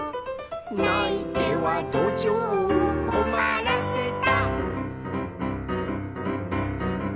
「ないてはどじょうをこまらせた」